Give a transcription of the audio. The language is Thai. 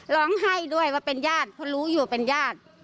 ร้องไห้ด้วยว่าเป็นญาติเพราะรู้อยู่เป็นญาติ